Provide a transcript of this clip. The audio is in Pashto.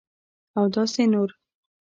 اوداسي نور